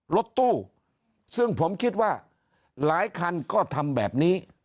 รถตู้ซึ่งผมคิดว่าหลายคันก็ทำแบบนี้